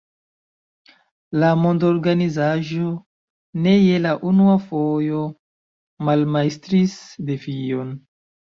La mondorganizaĵo ne je la unua fojo malmajstris defion.